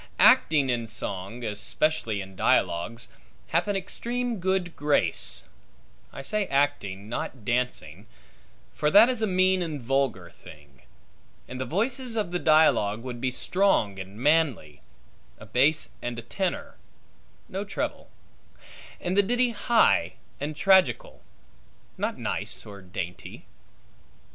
Acting in song, especially in dialogues, hath an extreme good grace; I say acting, not dancing (for that is a mean and vulgar thing); and the voices of the dialogue would be strong and manly (a base and a tenor; no treble); and the ditty high and tragical; not nice or dainty.